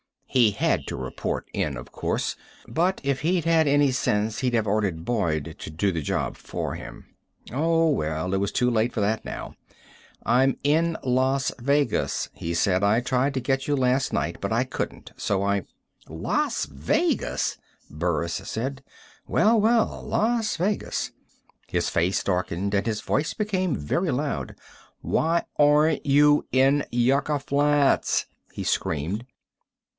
He had to report in, of course but, if he'd had any sense, he'd have ordered Boyd to do the job for him. Oh, well, it was too late for that now. "I'm in Las Vegas," he said. "I tried to get you last night, but I couldn't, so I " "Las Vegas," Burris said. "Well, well. Las Vegas." His face darkened and his voice became very loud. "Why aren't you in Yucca Flats?" he screamed.